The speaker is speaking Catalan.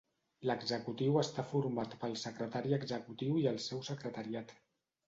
L'Executiu està format pel Secretari Executiu i el seu Secretariat.